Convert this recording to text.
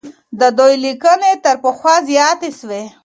د دوی ليکنې تر پخوا زياتې سوې.